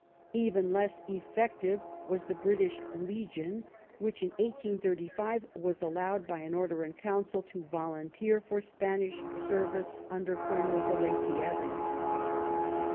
£ven less effective was the British legion which in 1835 was allowed by an Order in Council to volunteer for Spanish service under Colonel de Lacy Evans.